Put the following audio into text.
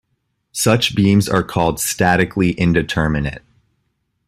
Such beams are called "statically indeterminate".